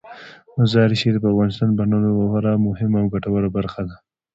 مزارشریف د افغانستان د بڼوالۍ یوه خورا مهمه او ګټوره برخه ده.